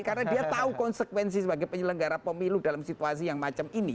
karena dia tahu konsekuensi sebagai penyelenggara pemilu dalam situasi yang macam ini